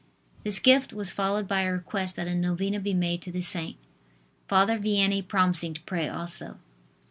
This gift was followed by a request that a novena be made to the saint, Father Vianney promising to pray also.